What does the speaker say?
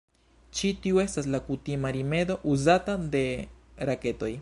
Ĉi tiu estas la kutima rimedo uzata de raketoj.